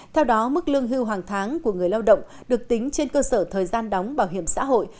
theo đó mức lương hưu hàng tháng của người lao động được tính trên cơ sở thời gian đóng bảo hiểm xã hội